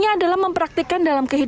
aku fiance cepat malaikan kakek baki